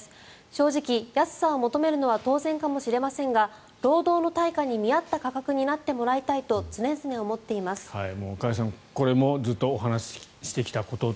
正直、安さを求めるのは当然かもしれませんが労働の対価に見合った価格になってもらいたいと常々思っています。